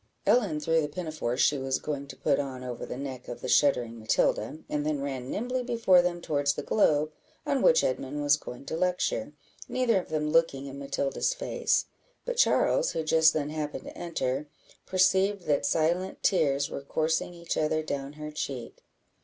Ellen threw the pinafore she was going to put on over the neck of the shuddering Matilda, and then ran nimbly before them towards the globe, on which Edmund was going to lecture, neither of them looking in Matilda's face; but Charles, who just then happened to enter, perceived that silent tears were coursing each other down her cheek.